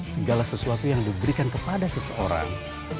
segala sesuatu yang diberikan kepada seseorang